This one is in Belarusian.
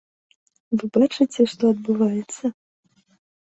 Вы бачыце, што адбываецца!